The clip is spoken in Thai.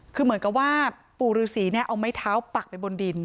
คือเหมือนกับว่าปู่ฤษีเนี่ยเอาไม้เท้าปักไปบนดิน